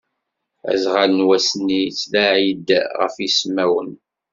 Azɣal n wass-nni yettlaɛi-d ɣef yismawen.